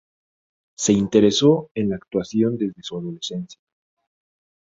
Se interesó en la actuación desde su adolescencia.